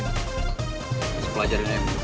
masih pelajarin aja bu